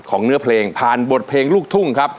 เนื้อเพลงผ่านบทเพลงลูกทุ่งครับ